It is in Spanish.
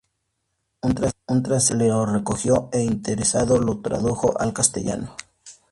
Un transeúnte lo recogió, e interesado lo tradujo al castellano.